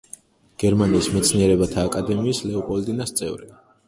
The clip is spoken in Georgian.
გერმანიის მეცნიერებათა აკადემიის „ლეოპოლდინას“ წევრი.